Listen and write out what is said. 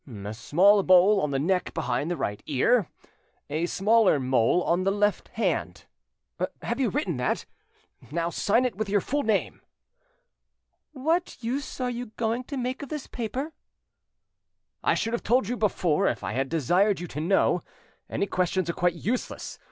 "'A small mole on the neck behind the right ear, a smaller mole on the left hand.' "Have you written that? Now sign it with your full name." "What use are you going to make of this paper?" "I should have told you before, if I had desired you to know. Any questions are quite useless.